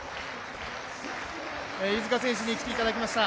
飯塚選手に来ていただきました。